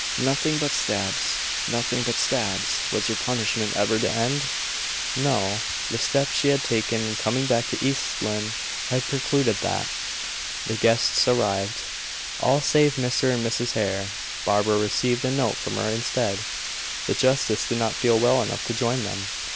Nothing but stabs; nothing but stabs! Was her punishment ever to end? No. The step she had taken in coming back to East Lynne had precluded that. The guests arrived; all save Mr. and Mrs. Hare. Barbara received a note from her instead. The justice did not feel well enough to join them.